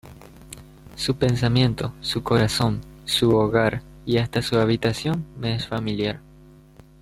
Su pensamiento, su corazón, su hogar y hasta su habitación me es familiar.